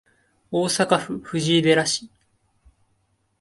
大阪府藤井寺市